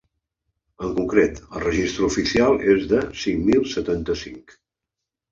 En concret, el registre oficial és de cinc mil setanta-cinc.